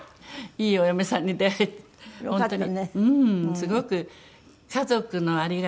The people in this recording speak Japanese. すごく家族のありがたさ。